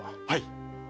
はい。